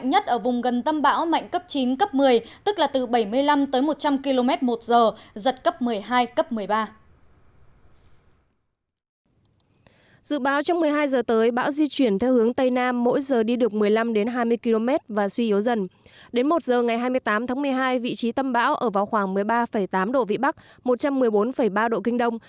một h ngày hai mươi tám tháng một mươi hai vị trí tâm bão ở vào khoảng một mươi ba tám độ vĩ bắc một trăm một mươi bốn ba độ kinh đông